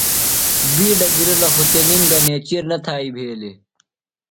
بِیڈہ گِرلہ خُو تِنم گہ نیچِیر نہ تھایئ بھیلیۡ۔